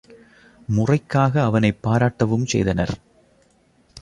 முறைக்காக அவனைப் பாராட்டவும் செய்தனர்.